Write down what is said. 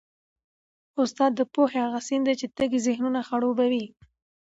استاد د پوهې هغه سیند دی چي تږي ذهنونه خړوبوي.